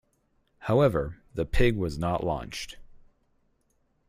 However, the pig was not launched.